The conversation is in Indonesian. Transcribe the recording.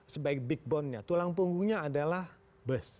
sebaik big bone nya tulang punggungnya adalah bus